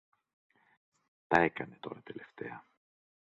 Τα έκανε τώρα τελευταία.